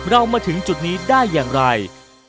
เรามาถึงจุดนี้ได้อย่างไร